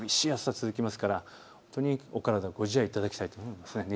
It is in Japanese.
厳しい暑さが続きますから、お体、ご自愛いただきたいと思います。